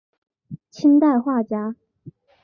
清代画家。